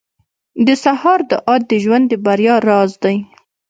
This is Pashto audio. • د سهار دعا د ژوند د بریا راز دی.